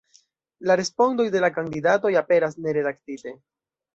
La respondoj de la kandidatoj aperas neredaktite.